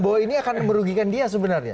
bahwa ini akan merugikan dia sebenarnya